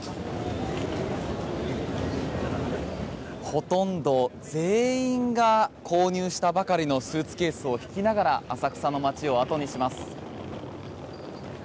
ほとんど全員が購入したばかりのスーツケースを引きながら浅草の街を後にします。